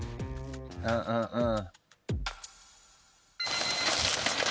うんうんうん。